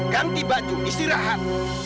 ganti baju istirahat